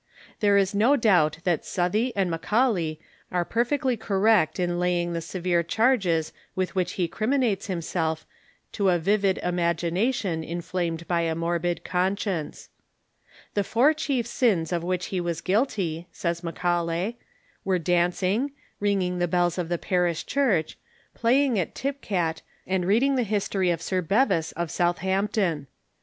There is no doubt that Southey and Macaulay are perfectly correct in laying the severe chai ges with which he criminates himself to a vivid imagination inflamed by a morbid conscience. "The four chief sins of which he was guilty," says Macaulay, " were dancing, ringing the bells of the parish church, playing at tip cat, and reading the history of Sir Bevis of Southampton.